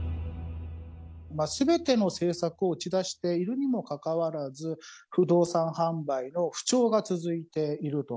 すべての政策を打ち出しているにもかかわらず、不動産販売の不調が続いていると。